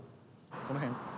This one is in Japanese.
この辺？